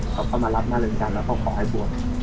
เขาก็มารับมารึงจันแล้วเขาขอให้บวช